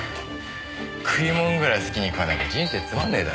食い物ぐらい好きに食わなきゃ人生つまんねぇだろう。